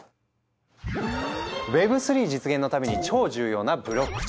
Ｗｅｂ３実現のために超重要なブロックチェーン。